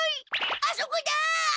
あそこだ！